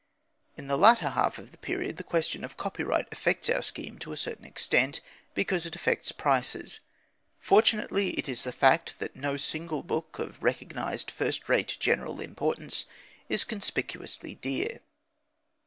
In the latter half of the period the question of copyright affects our scheme to a certain extent, because it affects prices. Fortunately it is the fact that no single book of recognised first rate general importance is conspicuously dear.